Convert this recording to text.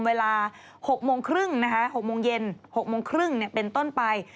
เวลา๖โมงครึ่งนะคะ๖โมงเย็น๖โมงครึ่งเป็นต้นไป